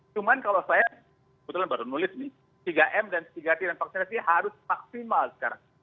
cuma kalau saya kebetulan baru nulis nih tiga m dan tiga t dan vaksinasi harus maksimal sekarang